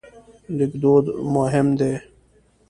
لیکدود مهم دی.